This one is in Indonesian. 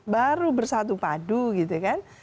baru bersatu padu gitu kan